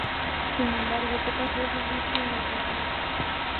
Sin embargo pocas veces visto en el cultivo.